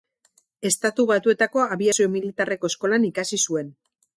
Estatu Batuetako abiazio militarreko eskolan ikasi zuen.